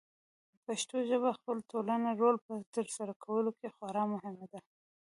پښتو ژبه د خپل ټولنیز رول په ترسره کولو کې خورا مهمه ده.